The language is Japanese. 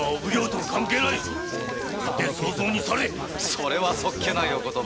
それはそっけないお言葉。